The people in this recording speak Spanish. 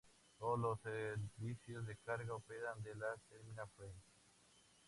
Todos los servicios de carga operan de la Terminal Freight.